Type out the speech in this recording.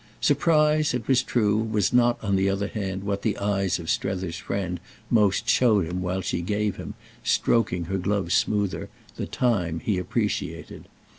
Surprise, it was true, was not on the other hand what the eyes of Strether's friend most showed him while she gave him, stroking her gloves smoother, the time he appreciated.